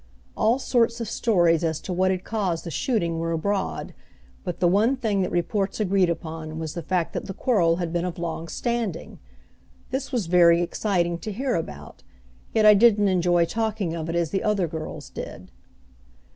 All sorts of stories as to what had caused the shooting were abroad, but the one thing the reports agreed upon was the fact that the quarrel had been of long standing. This was very exciting to hear about, yet I didn't enjoy talking of it as the other girls did.